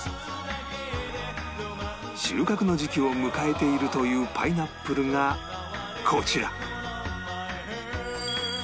収穫の時期を迎えているというパイナップルがこちら